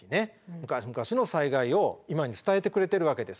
むかしむかしの災害を今に伝えてくれてるわけです。